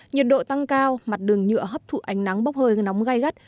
nhiệt độ tăng cao mặt đường nhựa hấp thụ ánh nắng bốc hơi nóng gai gắt